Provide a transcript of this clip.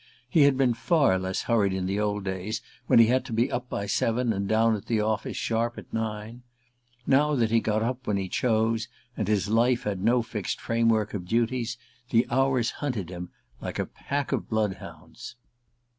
He had been far less hurried in the old days when he had to be up by seven, and down at the office sharp at nine. Now that he got up when he chose, and his life had no fixed framework of duties, the hours hunted him like a pack of blood hounds.